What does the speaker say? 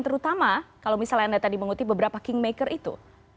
terutama kalau misalnya anda tadi mengutip beberapa kingmaker itu